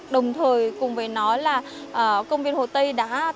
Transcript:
đồng thời cùng với nó là công viên hồ tây đã tăng